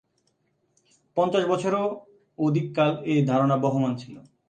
পঞ্চাশ বছরেরও অধিককাল এ ধারণা বহমান ছিল।